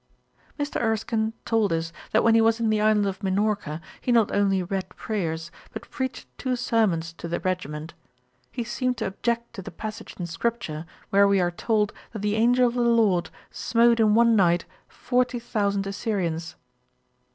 Mr. Erskine told us, that when he was in the island of Minorca, he not only read prayers, but preached two sermons to the regiment. He seemed to object to the passage in scripture where we are told that the angel of the Lord smote in one night forty thousand Assyrians.